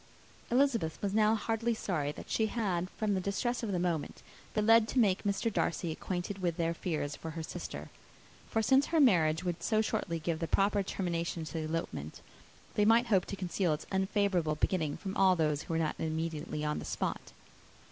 Elizabeth was now most heartily sorry that she had, from the distress of the moment, been led to make Mr. Darcy acquainted with their fears for her sister; for since her marriage would so shortly give the proper termination to the elopement, they might hope to conceal its unfavourable beginning from all those who were not immediately on the spot.